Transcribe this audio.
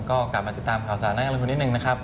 ก็กลับมาติดตามข่าวสารด้านการลงทุนนิดนึงนะครับ